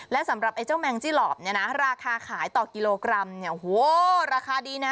และสำหรับเจ้าแมงจี้หลบราคาขายต่อกิโลกรัมโหวราคาดีนะ